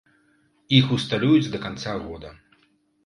Іх усталююць да канца года.